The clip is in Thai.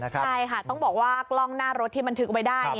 ใช่ค่ะต้องบอกว่ากล้องหน้ารถที่บันทึกไว้ได้